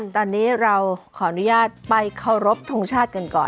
ตอนนี้เราขออนุญาตไปเคารพทงชาติกันก่อน